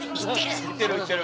言ってる。